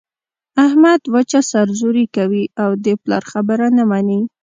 احمد وچه سر زوري کوي او د پلار خبره نه مني.